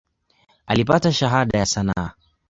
Alipata Shahada ya sanaa.